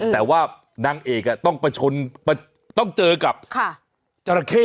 แต่ว่านางเอกต้องเจอกับจราเข้